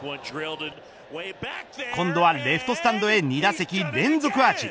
今度はレフトスタンドへ２打席連続アーチ。